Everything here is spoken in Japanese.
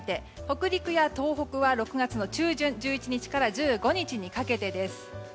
北陸や東北は６月の中旬１１日から１５日にかけてです。